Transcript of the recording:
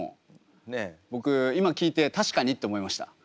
僕今聞いて確かにって思いました。